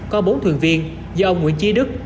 có bốn thuyền viên do ông nguyễn chi đức